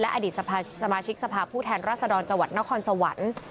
อดีตสมาชิกสภาพผู้แทนรัศดรจังหวัดนครสวรรค์